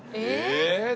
えっ！